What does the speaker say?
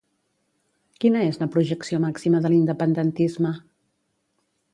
Quina és la projecció màxima de l'independentisme?